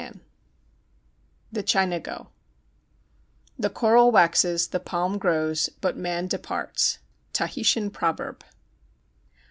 277 THE CHINAGO '* The coral waxes, the palm grows, but man departs." ã Tahitian proverb.